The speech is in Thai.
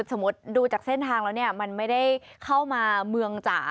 สมมุติดูจากเส้นทางแล้วเนี่ยมันไม่ได้เข้ามาเมืองจ๋า